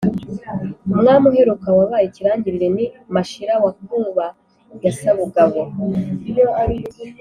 umwami uheruka wabaye ikirangirire ni mashira wa nkuba ya sabugabo,